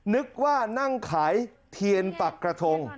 นึกว่านั่งขายเทียนปักกระทง